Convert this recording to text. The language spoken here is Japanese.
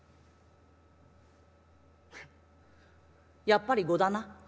「やっぱり５だな。